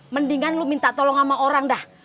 mendingan lu minta tolong sama orang dah